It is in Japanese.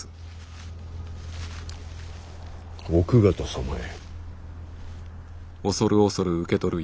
奥方様へ。